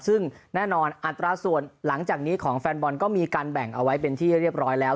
ซึ่งแน่นอนอัตราส่วนหลังจากนี้ของแฟนบอลก็มีการแบ่งเอาไว้เป็นที่เรียบร้อยแล้ว